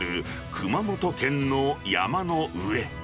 熊本県の山の上。